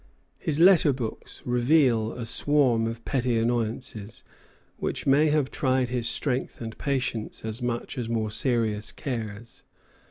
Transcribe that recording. ] His letter books reveal a swarm of petty annoyances, which may have tried his strength and patience as much as more serious cares.